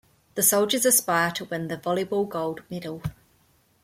The soldiers aspire to win the volleyball gold medal.